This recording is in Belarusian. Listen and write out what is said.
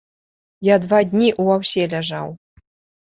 Я два дні ў аўсе ляжаў.